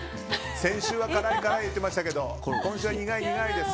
先週は辛い、辛い言ってましたけど今週は苦い苦いです。